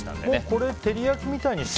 これ照り焼きみたいにすれば。